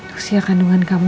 usia kandungan kamu